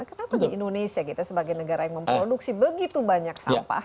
kenapa di indonesia kita sebagai negara yang memproduksi begitu banyak sampah